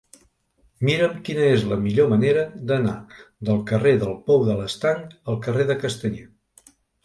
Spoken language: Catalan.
Mira'm quina és la millor manera d'anar del carrer del Pou de l'Estanc al carrer de Castanyer.